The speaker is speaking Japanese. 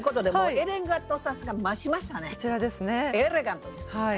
エレガントです。